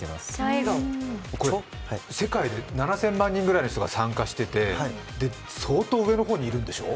世界で７０００万人ぐらいの人が参加していて、相当、上の方にいるんでしょ？